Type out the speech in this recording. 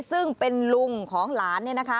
ซึ่งเป็นลุงของหลาน